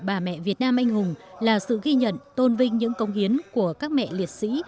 bà mẹ việt nam anh hùng là sự ghi nhận tôn vinh những công hiến của các mẹ liệt sĩ